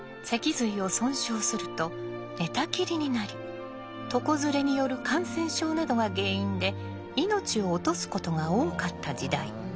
脊髄を損傷すると寝たきりになり床ずれによる感染症などが原因で命を落とすことが多かった時代。